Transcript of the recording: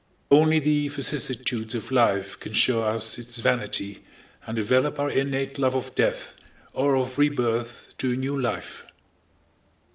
Only the vicissitudes of life can show us its vanity and develop our innate love of death or of rebirth to a new life."